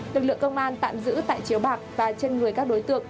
lực lượng công an tạm giữ tại chiếu bạc và trên người các đối tượng